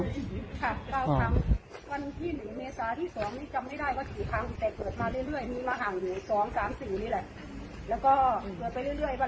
ตอนนี้ตากับย่าอยู่ถ้าเวลาตากับยาออกไปเราก็เฝ้าเหมือนก็เฝ้า